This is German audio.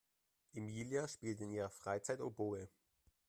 Emilia spielt in ihrer Freizeit Oboe.